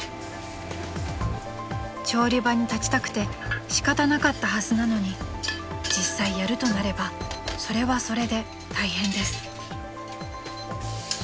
［調理場に立ちたくて仕方なかったはずなのに実際やるとなればそれはそれで大変です］